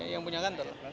yang punya kantor